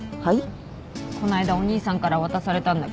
こないだお兄さんから渡されたんだけどね。